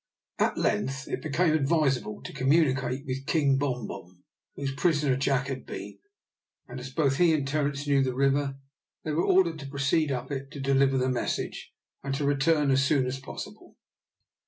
At length it became advisable to communicate with King Bom Bom, whose prisoner Jack had been, and as both he and Terence knew the river, they were ordered to proceed up it, to deliver the message, and to return as soon as possible.